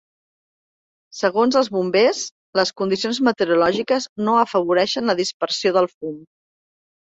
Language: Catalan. Segons els bombers, les condicions meteorològiques no afavoreixen la dispersió del fum.